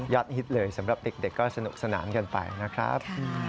ฮิตเลยสำหรับเด็กก็สนุกสนานกันไปนะครับ